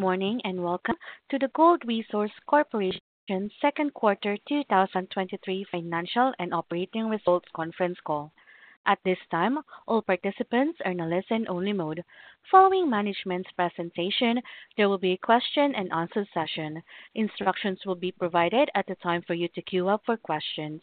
Good morning, and welcome to the Gold Resource Corporation second quarter 2023 financial and operating results conference call. At this time, all participants are in a listen-only mode. Following management's presentation, there will be a question-and-answer session. Instructions will be provided at the time for you to queue up for questions.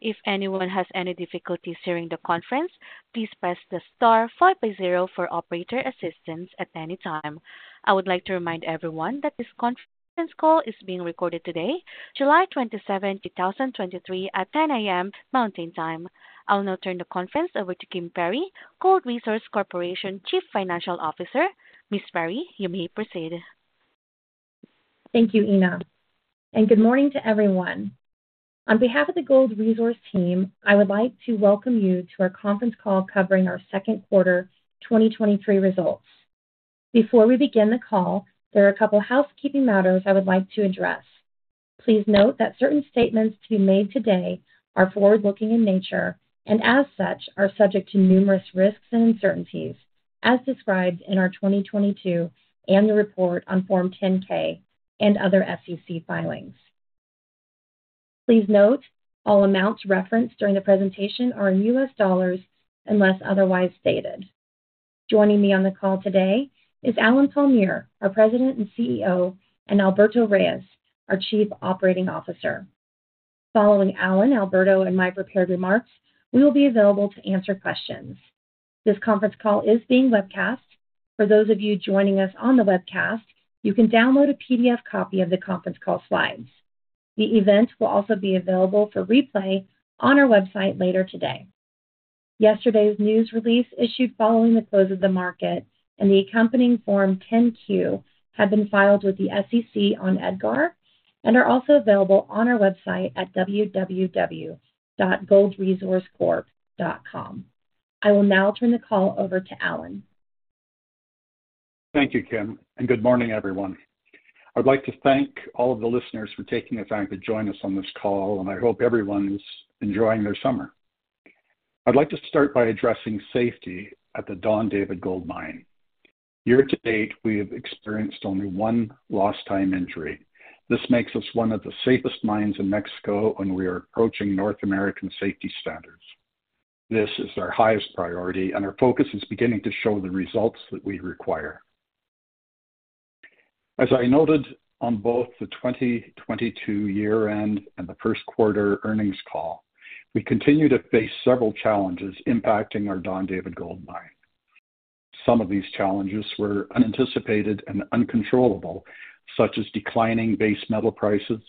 If anyone has any difficulties during the conference, please press the star zero for operator assistance at any time. I would like to remind everyone that this conference call is being recorded today, July 27, 2023, at 10:00 A.M. Mountain Time. I'll now turn the conference over to Kim Perry, Gold Resource Corporation Chief Financial Officer. Ms. Perry, you may proceed. Thank you, Ina. Good morning to everyone. On behalf of the Gold Resource team, I would like to welcome you to our conference call covering our second quarter 2023 results. Before we begin the call, there are a couple of housekeeping matters I would like to address. Please note that certain statements to be made today are forward-looking in nature and, as such, are subject to numerous risks and uncertainties as described in our 2022 annual report on Form 10-K and other SEC filings. Please note, all amounts referenced during the presentation are in U.S. dollars unless otherwise stated. Joining me on the call today is Allen Palmiere, our President and CEO, and Alberto Reyes, our Chief Operating Officer. Following Allen, Alberto, and my prepared remarks, we will be available to answer questions. This conference call is being webcast. For those of you joining us on the webcast, you can download a PDF copy of the conference call slides. The event will also be available for replay on our website later today. Yesterday's news release, issued following the close of the market and the accompanying Form 10-Q, have been filed with the SEC on EDGAR and are also available on our website at www.goldresourcecorp.com. I will now turn the call over to Allen. Thank you, Kim. Good morning, everyone. I'd like to thank all of the listeners for taking the time to join us on this call, and I hope everyone is enjoying their summer. I'd like to start by addressing safety at the Don David Gold Mine. Year to date, we have experienced only one lost time injury. This makes us one of the safest mines in Mexico, and we are approaching North American safety standards. This is our highest priority, and our focus is beginning to show the results that we require. As I noted on both the 2022 year-end and the first quarter earnings call, we continue to face several challenges impacting our Don David Gold Mine. Some of these challenges were unanticipated and uncontrollable, such as declining base metal prices,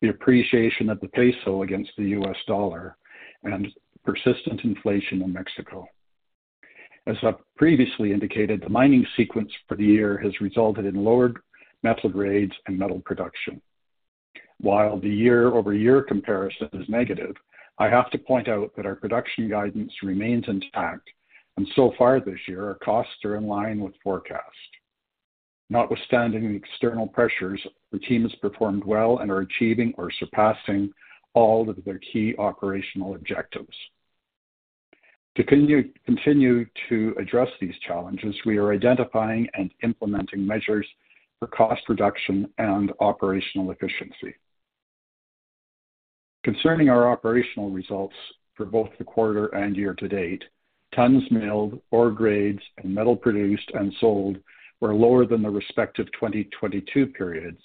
the appreciation of the peso against the U.S. dollar, and persistent inflation in Mexico. As I previously indicated, the mining sequence for the year has resulted in lower metal grades and metal production. While the year-over-year comparison is negative, I have to point out that our production guidance remains intact, so far this year, our costs are in line with forecast. Notwithstanding external pressures, the team has performed well and are achieving or surpassing all of their key operational objectives. To continue to address these challenges, we are identifying and implementing measures for cost reduction and operational efficiency. Concerning our operational results for both the quarter and year-to-date, tonnes milled, ore grades, and metal produced and sold were lower than the respective 2022 periods.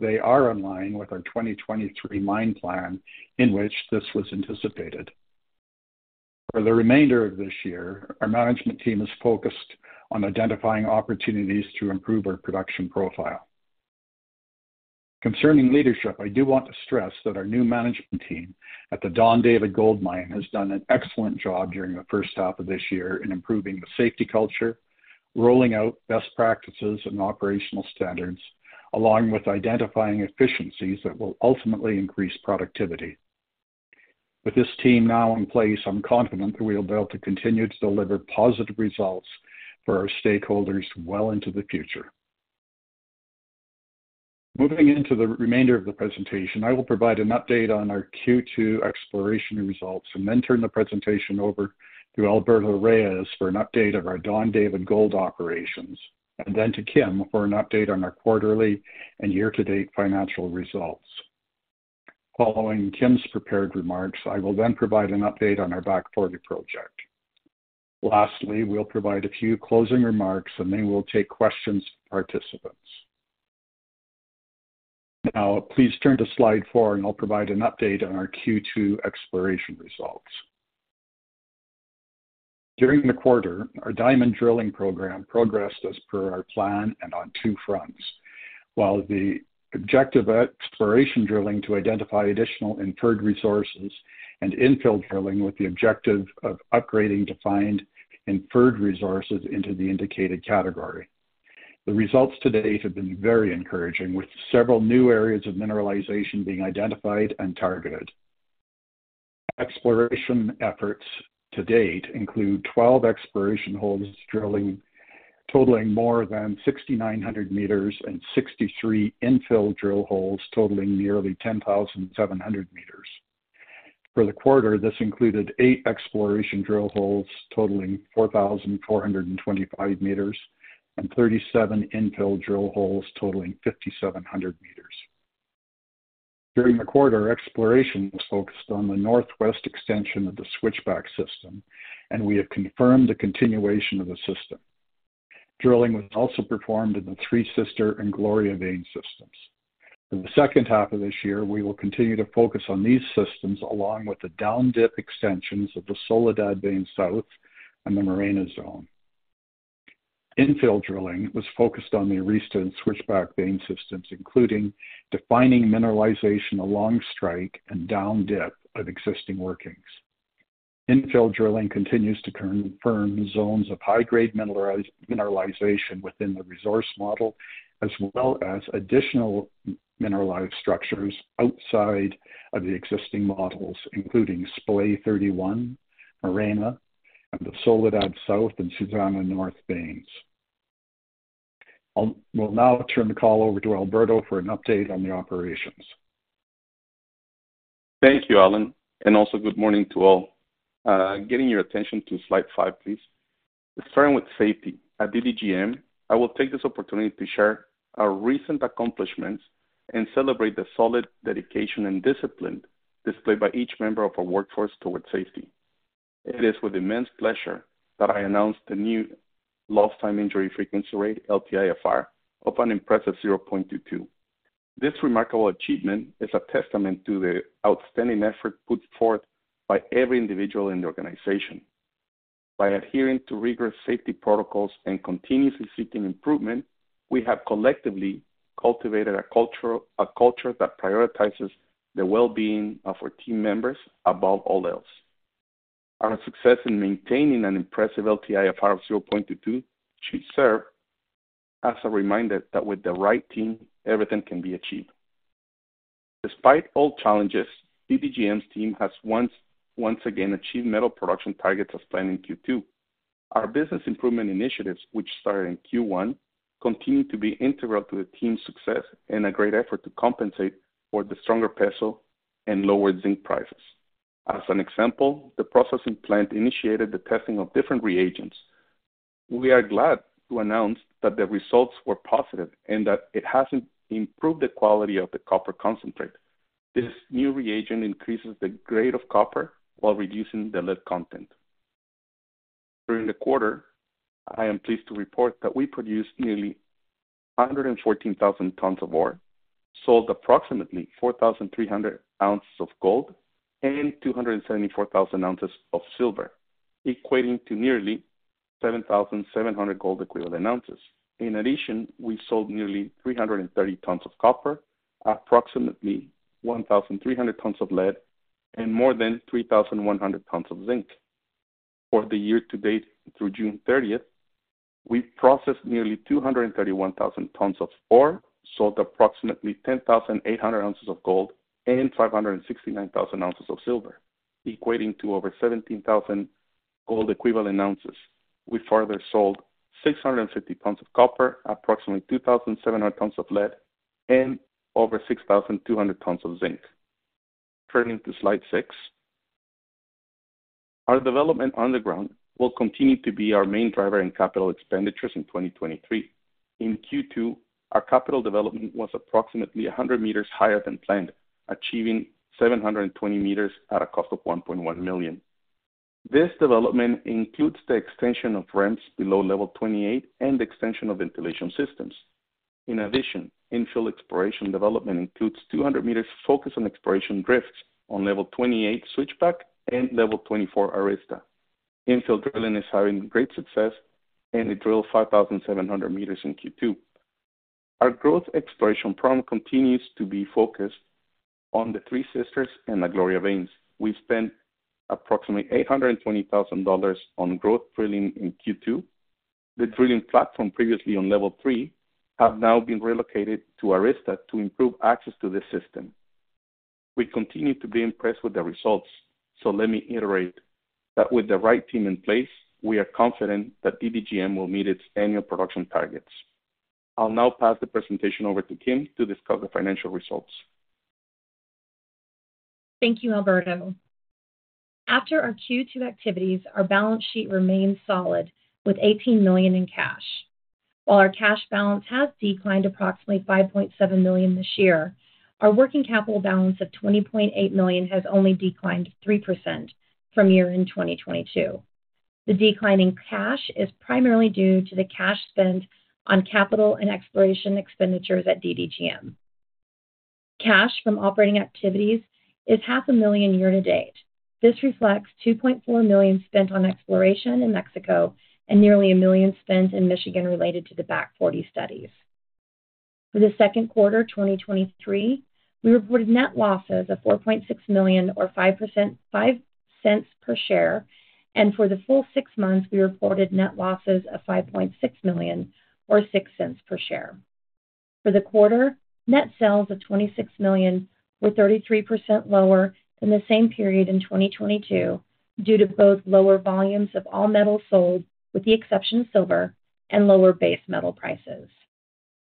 They are in line with our 2023 mine plan, in which this was anticipated. For the remainder of this year, our management team is focused on identifying opportunities to improve our production profile. Concerning leadership, I do want to stress that our new management team at the Don David Gold Mine has done an excellent job during the first half of this year in improving the safety culture, rolling out best practices and operational standards, along with identifying efficiencies that will ultimately increase productivity. With this team now in place, I'm confident that we will be able to continue to deliver positive results for our stakeholders well into the future. Moving into the remainder of the presentation, I will provide an update on our Q2 exploration results and then turn the presentation over to Alberto Reyes for an update of our Don David Gold operations, and then to Kim for an update on our quarterly and year-to-date financial results. Following Kim's prepared remarks, I will then provide an update on our Back Forty Project. Lastly, we'll provide a few closing remarks, and then we'll take questions from participants. Now, please turn to slide four, and I'll provide an update on our Q2 exploration results. During the quarter, our diamond drilling program progressed as per our plan and on two fronts. While the objective exploration drilling to identify additional inferred resources and infill drilling with the objective of upgrading defined inferred resources into the indicated category. The results to date have been very encouraging, with several new areas of mineralization being identified and targeted. Exploration efforts to date include 12 exploration holes totaling more than 6,900 meters and 63 infill drill holes totaling nearly 10,700 meters. For the quarter, this included eight exploration drill holes totaling 4,425 meters, and 37 infill drill holes totaling 5,700 meters. During the quarter, exploration was focused on the northwest extension of the Switchback system, and we have confirmed the continuation of the system. Drilling was also performed in the Three Sisters and Gloria vein systems. In the second half of this year, we will continue to focus on these systems, along with the down-dip extensions of the Soledad vein South and the Morena Zone. Infill drilling was focused on the Arista and Switchback vein systems, including defining mineralization along strike and down dip of existing workings. Infill drilling continues to confirm zones of high-grade mineralization within the resource model, as well as additional mineralized structures outside of the existing models, including Splay 31, Morena, and the Soledad South and Susana North veins. We'll now turn the call over to Alberto for an update on the operations. Thank you, Allen, and also good morning to all. Getting your attention to slide five, please. Starting with safety, at DDGM, I will take this opportunity to share our recent accomplishments and celebrate the solid dedication and discipline displayed by each member of our workforce towards safety. It is with immense pleasure that I announce the new Lost Time Injury Frequency Rate, LTIFR, of an impressive 0.22. This remarkable achievement is a testament to the outstanding effort put forth by every individual in the organization. By adhering to rigorous safety protocols and continuously seeking improvement, we have collectively cultivated a culture that prioritizes the well-being of our team members above all else. Our success in maintaining an impressive LTIFR of 0.22 should serve as a reminder that with the right team, everything can be achieved. Despite all challenges, DDGM's team has once again achieved metal production targets as planned in Q2. Our business improvement initiatives, which started in Q1, continue to be integral to the team's success and a great effort to compensate for the stronger peso and lower zinc prices. As an example, the processing plant initiated the testing of different reagents. We are glad to announce that the results were positive and that it has improved the quality of the copper concentrate. This new reagent increases the grade of copper while reducing the lead content. During the quarter, I am pleased to report that we produced nearly 114,000 tons of ore, sold approximately 4,300 ounces of gold, and 274,000 ounces of silver, equating to nearly 7,700 gold equivalent ounces. We sold nearly 330 tons of copper, approximately 1,300 tons of lead, and more than 3,100 tons of zinc. For the year to date through June 30th, we've processed nearly 231,000 tons of ore, sold approximately 10,800 ounces of gold, and 569,000 ounces of silver, equating to over 17,000 gold equivalent ounces. We further sold 650 tons of copper, approximately 2,700 tons of lead, and over 6,200 tons of zinc. Turning to slide six, our development on the ground will continue to be our main driver in capital expenditures in 2023. In Q2, our capital development was approximately 100 meters higher than planned, achieving 720 meters at a cost of $1.1 million. This development includes the extension of ramps below level 28 and extension of ventilation systems. In addition, infill exploration development includes 200 meters focused on exploration drifts on level 28 Switchback and level 24 Arista. Infill drilling is having great success. It drilled 5,700 meters in Q2. Our growth exploration program continues to be focused on the Three Sisters and the Gloria veins. We spent approximately $820,000 on growth drilling in Q2. The drilling platform previously on level 3 have now been relocated to Arista to improve access to the system. We continue to be impressed with the results. Let me reiterate that with the right team in place, we are confident that DDGM will meet its annual production targets. I'll now pass the presentation over to Kim to discuss the financial results. Thank you, Alberto. After our Q2 activities, our balance sheet remains solid with $18 million in cash. While our cash balance has declined approximately $5.7 million this year, our working capital balance of $20.8 million has only declined 3% from year-end 2022. The decline in cash is primarily due to the cash spent on capital and exploration expenditures at DDGM. Cash from operating activities is half a million dollars year to date. This reflects $2.4 million spent on exploration in Mexico and nearly $1 million spent in Michigan related to the Back Forty studies. For the second quarter, 2023, we reported net losses of $4.6 million, or $0.05 per share, and for the full six months, we reported net losses of $5.6 million or $0.06 per share. For the quarter, net sales of $26 million were 33% lower than the same period in 2022, due to both lower volumes of all metals sold, with the exception of silver and lower base metal prices.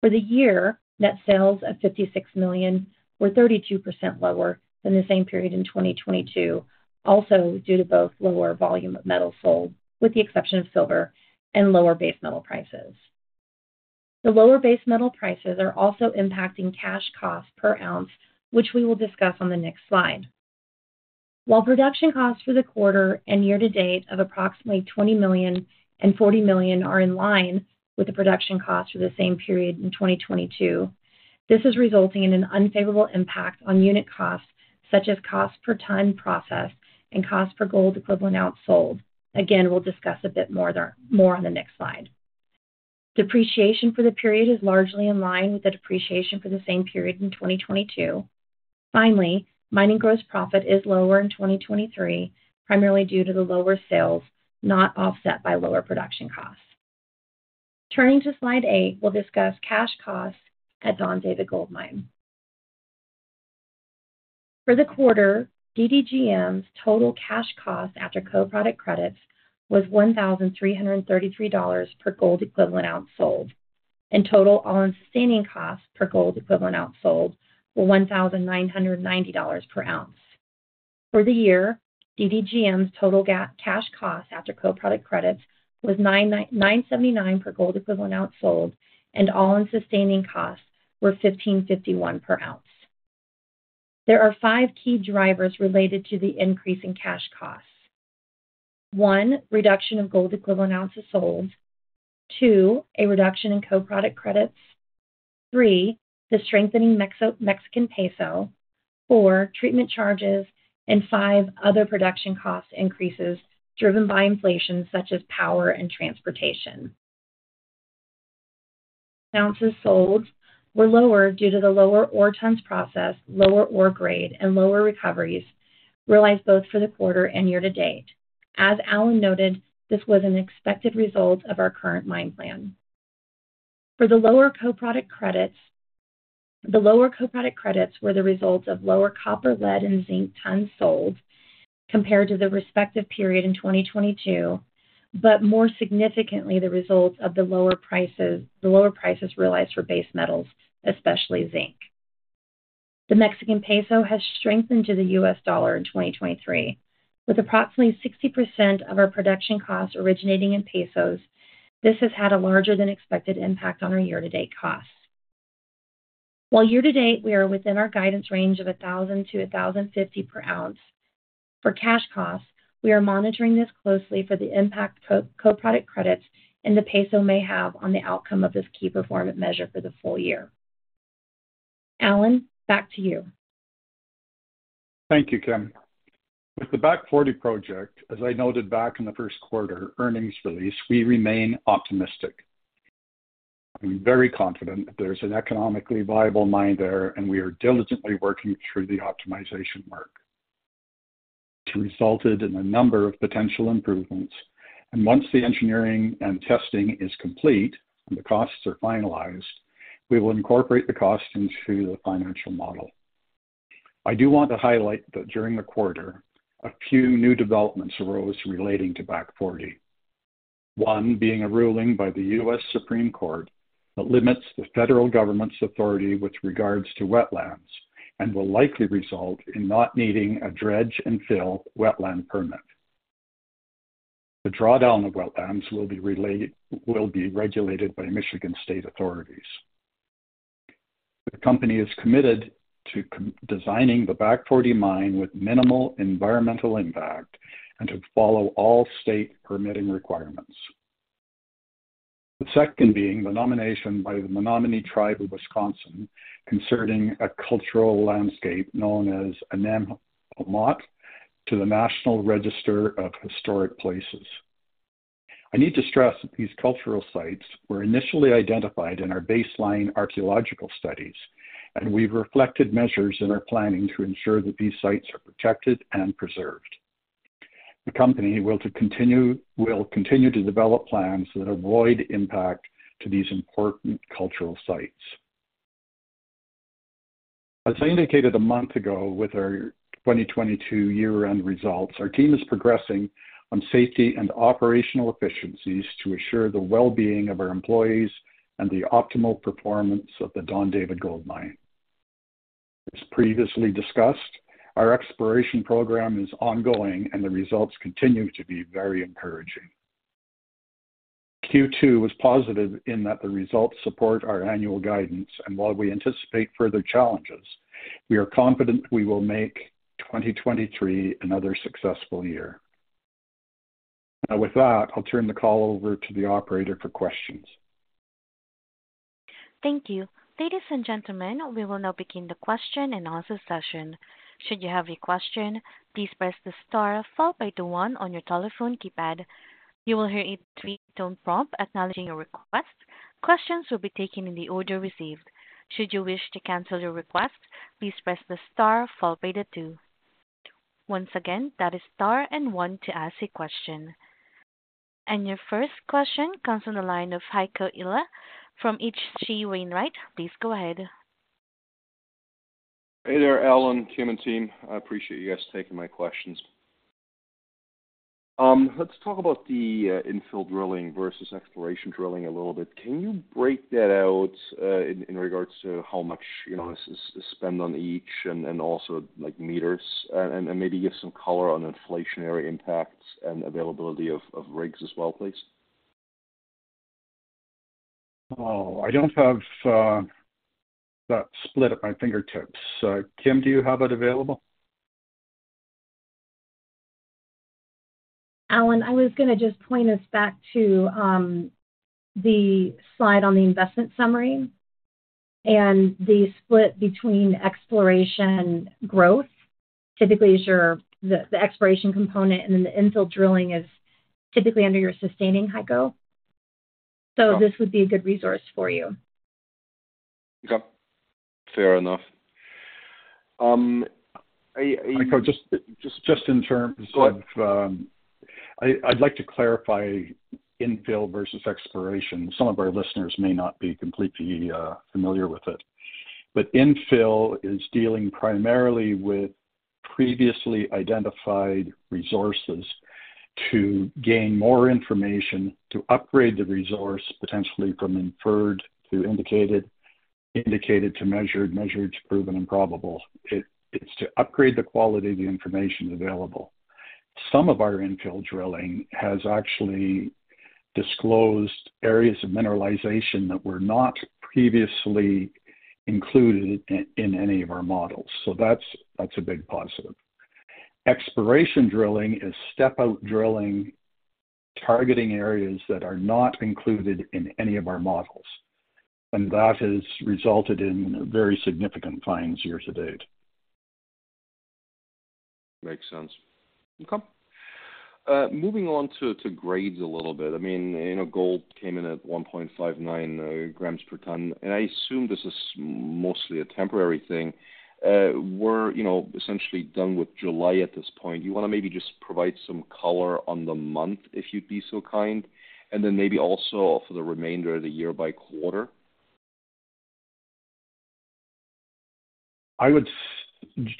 For the year, net sales of $56 million were 32% lower than the same period in 2022, also due to both lower volume of metal sold, with the exception of silver and lower base metal prices. The lower base metal prices are also impacting cash costs per ounce, which we will discuss on the next slide. While production costs for the quarter and year to date of approximately $20 million and $40 million are in line with the production costs for the same period in 2022, this is resulting in an unfavorable impact on unit costs, such as cost per ton processed and cost per gold equivalent ounce sold. We'll discuss a bit more there, more on the next slide. Depreciation for the period is largely in line with the depreciation for the same period in 2022. Mining gross profit is lower in 2023, primarily due to the lower sales, not offset by lower production costs. Turning to slide eight, we'll discuss cash costs at Don David Gold Mine. For the quarter, DDGM's total cash cost after co-product credits was $1,333 per gold equivalent ounce sold, and total all-in sustaining costs per gold equivalent ounce sold were $1,990 per ounce. For the year, DDGM's total cash cost after co-product credits was $979 per gold equivalent ounce sold, and all-in sustaining costs were $1,551 per ounce. There are five key drivers related to the increase in cash costs. One, reduction of gold equivalent ounces sold. Two, a reduction in co-product credits. Three, the strengthening Mexican peso. Four, treatment charges, and five, other production cost increases driven by inflation such as power and transportation. Ounces sold were lower due to the lower ore tons processed, lower ore grade, and lower recoveries realized both for the quarter and year-to-date. As Allen noted, this was an expected result of our current mine plan. For the lower co-product credits, the lower co-product credits were the results of lower copper, lead, and zinc tons sold compared to the respective period in 2022, but more significantly, the results of the lower prices realized for base metals, especially zinc. The Mexican peso has strengthened to the U.S. dollar in 2023, with approximately 60% of our production costs originating in pesos. This has had a larger than expected impact on our year-to-date costs. While year-to-date, we are within our guidance range of $1,000-$1,050 per ounce. For cash costs, we are monitoring this closely for the impact co-product credits and the peso may have on the outcome of this key performance measure for the full year. Allen, back to you. Thank you, Kim. With the Back Forty project, as I noted back in the first quarter earnings release, we remain optimistic. I'm very confident that there's an economically viable mine there, and we are diligently working through the optimization work, which resulted in a number of potential improvements. Once the engineering and testing is complete and the costs are finalized, we will incorporate the costs into the financial model. I do want to highlight that during the quarter, a few new developments arose relating to Back Forty. One being a ruling by the U.S. Supreme Court that limits the federal government's authority with regards to wetlands and will likely result in not needing a dredge and fill wetland permit. The drawdown of wetlands will be regulated by Michigan state authorities. The company is committed to designing the Back Forty mine with minimal environmental impact and to follow all state permitting requirements. Second being the nomination by the Menominee Indian Tribe of Wisconsin concerning a cultural landscape known as Anaem Omot to the National Register of Historic Places. I need to stress that these cultural sites were initially identified in our baseline archaeological studies, and we've reflected measures in our planning to ensure that these sites are protected and preserved. The company will continue to develop plans that avoid impact to these important cultural sites. As I indicated a month ago with our 2022 year-end results, our team is progressing on safety and operational efficiencies to assure the well-being of our employees and the optimal performance of the Don David Gold Mine. As previously discussed, our exploration program is ongoing, and the results continue to be very encouraging. Q2 was positive in that the results support our annual guidance, and while we anticipate further challenges, we are confident we will make 2023 another successful year. Now with that, I'll turn the call over to the operator for questions. Thank you. Ladies and gentlemen, we will now begin the question and answer session. Should you have a question, please press the star followed by the one on your telephone keypad. You will hear a three-tone prompt acknowledging your request. Questions will be taken in the order received. Should you wish to cancel your request, please press the star followed by the two. Once again, that is star and one to ask a question. Your first question comes from the line of Heiko Ihle from H.C. Wainwright. Please go ahead. Hey there, Allen, Kim, and team. I appreciate you guys taking my questions. Let's talk about the infill drilling versus exploration drilling a little bit. Can you break that out in regards to how much, you know, is spent on each and also, like, meters? Maybe give some color on inflationary impacts and availability of rigs as well, please. Oh, I don't have, that split at my fingertips. Kim, do you have that available? Allen, I was gonna just point us back to the slide on the investment summary, and the split between exploration growth typically is your, the exploration component, and then the infill drilling is typically under your sustaining, Heiko. This would be a good resource for you. Okay, fair enough. Heiko, just in terms of. Go ahead. I'd like to clarify infill versus exploration. Some of our listeners may not be completely familiar with it. Infill is dealing primarily with previously identified resources to gain more information, to upgrade the resource, potentially from inferred to indicated, indicated to measured, measured to proven and probable. It's to upgrade the quality of the information available. Some of our infill drilling has actually disclosed areas of mineralization that were not previously included in any of our models, so that's a big positive. Exploration drilling is step out drilling, targeting areas that are not included in any of our models. That has resulted in very significant finds year-to-date. Makes sense. Okay. Moving on to grades a little bit. I mean, you know, gold came in at 1.59 mg per ton, and I assume this is mostly a temporary thing. We're, you know, essentially done with July at this point. You wanna maybe just provide some color on the month, if you'd be so kind, and then maybe also for the remainder of the year-by-quarter?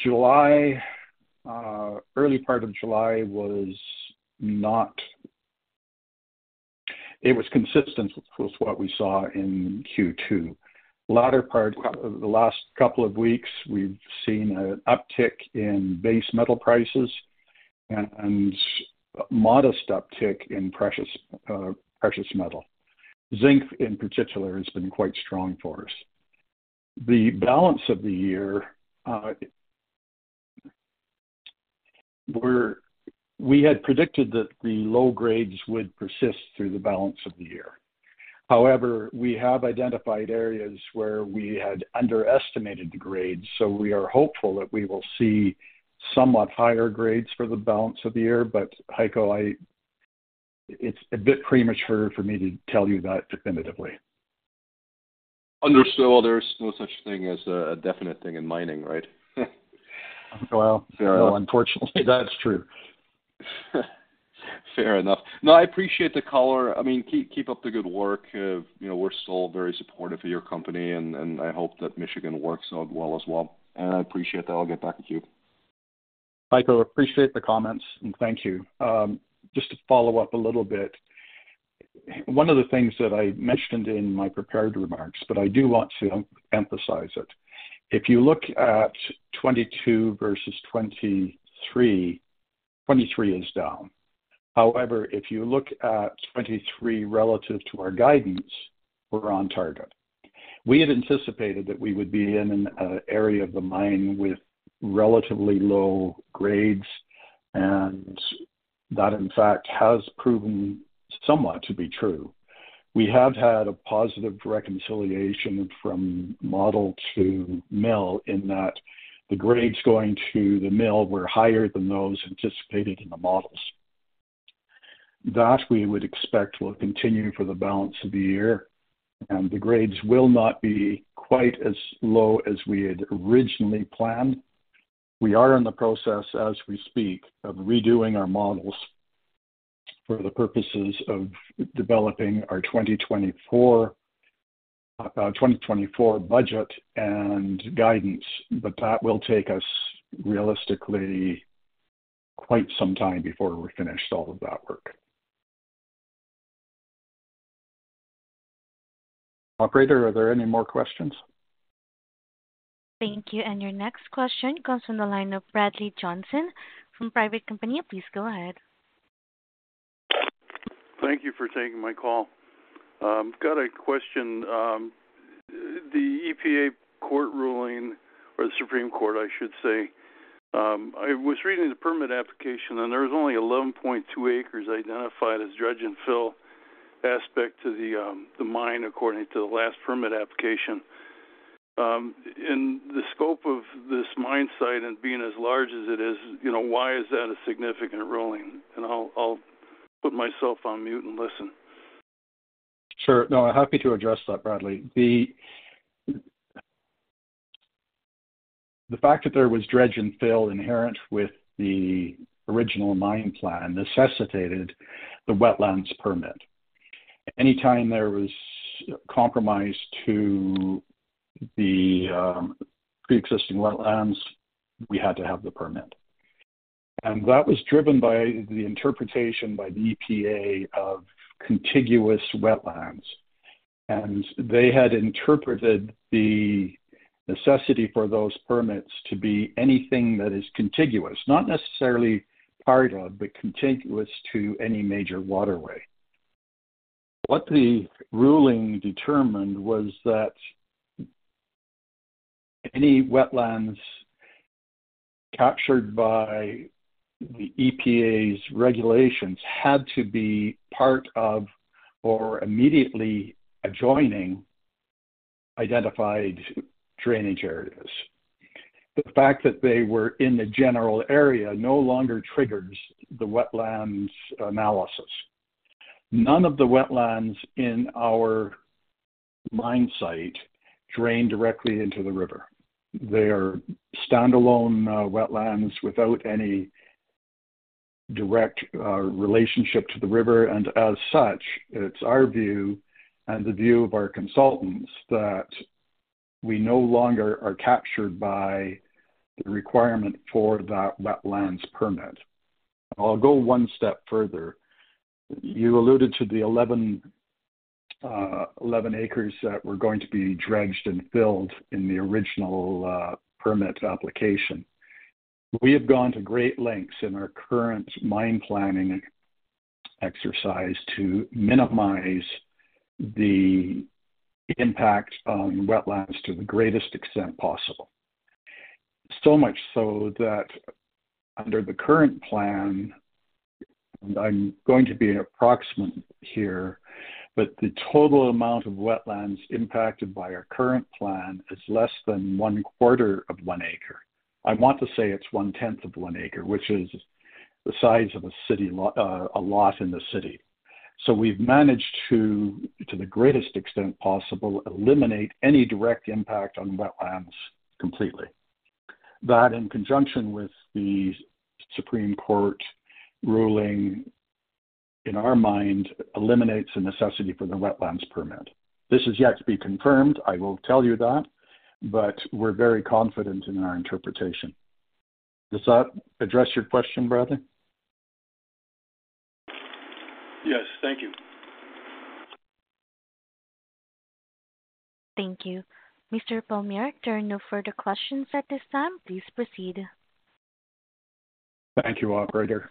July, early part of July was consistent with what we saw in Q2. Latter part, the last couple of weeks, we've seen an uptick in base metal prices and modest uptake in precious metal. Zinc, in particular, has been quite strong for us. The balance of the year, we had predicted that the low grades would persist through the balance of the year. However, we have identified areas where we had underestimated the grades, so we are hopeful that we will see somewhat higher grades for the balance of the year. Heiko, it's a bit premature for me to tell you that definitively. Understood. Well, there's no such thing as a definite thing in mining, right? Well- Fair enough. Unfortunately, that's true. Fair enough. No, I appreciate the color. I mean, keep up the good work. You know, we're still very supportive of your company, and I hope that Michigan works out well as well. I appreciate that. I'll get back to you. Heiko, appreciate the comments, and thank you. Just to follow up a little bit, one of the things that I mentioned in my prepared remarks, but I do want to emphasize it. If you look at 2022 versus 2023, 2023 is down. However, if you look at 2023 relative to our guidance, we're on target. We had anticipated that we would be in an area of the mine with relatively low grades, and that, in fact, has proven somewhat to be true. We have had a positive reconciliation from model to mill in that the grades going to the mill were higher than those anticipated in the models. That we would expect will continue for the balance of the year, and the grades will not be quite as low as we had originally planned. We are in the process, as we speak, of redoing our models for the purposes of developing our 2024 budget and guidance. That will take us, realistically, quite some time before we're finished all of that work. Operator, are there any more questions? Thank you. Your next question comes from the line of Bradley Johnson from [Private Company]. Please go ahead. Thank you for taking my call. Got a question. The EPA court ruling, or the Supreme Court, I should say, I was reading the permit application. There was only 11.2 acres identified as dredge and fill aspect to the mine, according to the last permit application. In the scope of this mine site and being as large as it is, you know, why is that a significant ruling? I'll put myself on mute and listen. Sure. No, I'm happy to address that, Bradley. The fact that there was dredge and fill inherent with the original mine plan necessitated the wetlands permit. anytime there was compromise to the pre-existing wetlands, we had to have the permit. That was driven by the interpretation by the EPA of contiguous wetlands. They had interpreted the necessity for those permits to be anything that is contiguous, not necessarily part of, but contiguous to any major waterway. What the ruling determined was that any wetlands captured by the EPA's regulations had to be part of or immediately adjoining identified drainage areas. The fact that they were in the general area no longer triggers the wetlands analysis. None of the wetlands in our mine site drain directly into the river. They are standalone wetlands without any direct relationship to the river, and as such, it's our view and the view of our consultants that we no longer are captured by the requirement for that wetlands permit. I'll go one step further. You alluded to the 11 acres that were going to be dredged and filled in the original permit application. We have gone to great lengths in our current mine planning exercise to minimize the impact on wetlands to the greatest extent possible. So much so that under the current plan, and I'm going to be approximate here, but the total amount of wetlands impacted by our current plan is less than one quarter of one acre. I want to say it's one tenth of one acre, which is the size of a city lot, a lot in the city. We've managed to the greatest extent possible, eliminate any direct impact on wetlands completely. That, in conjunction with the Supreme Court ruling, in our mind, eliminates the necessity for the wetlands permit. This is yet to be confirmed, I will tell you that, but we're very confident in our interpretation. Does that address your question, Bradley? Yes, thank you. Thank you. Mr. Palmiere, there are no further questions at this time. Please proceed. Thank you, operator.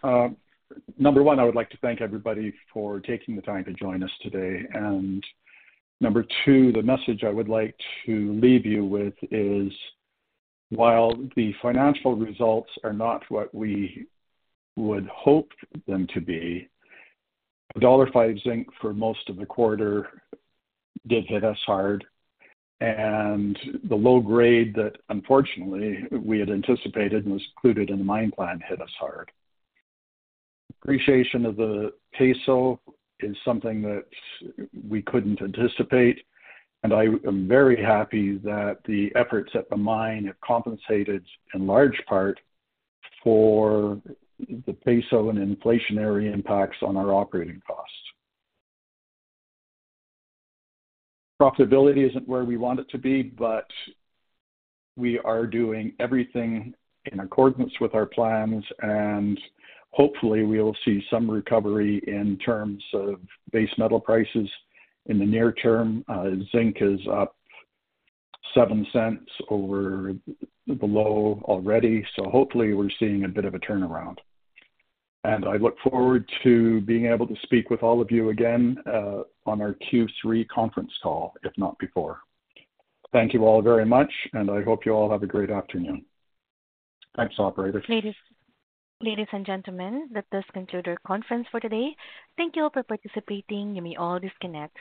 Number one, I would like to thank everybody for taking the time to join us today. Number two, the message I would like to leave you with is, while the financial results are not what we would hope them to be, $5 zinc for most of the quarter did hit us hard, the low grade that unfortunately we had anticipated and was included in the mine plan hit us hard. Appreciation of the peso is something that we couldn't anticipate. I am very happy that the efforts at the mine have compensated in large part for the peso and inflationary impacts on our operating costs. Profitability isn't where we want it to be. We are doing everything in accordance with our plans. Hopefully, we will see some recovery in terms of base metal prices in the near term. Zinc is up $0.07 over the low already, so hopefully we're seeing a bit of a turnaround. I look forward to being able to speak with all of you again on our Q3 conference call, if not before. Thank you all very much, and I hope you all have a great afternoon. Thanks, operator. Ladies and gentlemen, that does conclude our conference for today. Thank you all for participating. You may all disconnect.